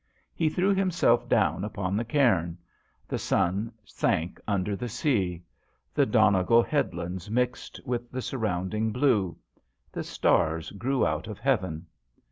He threw himself down upon the cairn. The sun sank under the sea. The Donegal headlands mixed with the surrounding blue. The stars grew out of heaven.